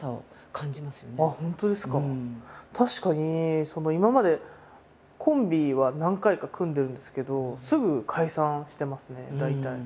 確かに今までコンビは何回か組んでるんですけどすぐ解散してますね大体。